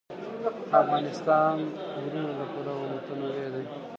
افغانستان د غرونه له پلوه متنوع دی.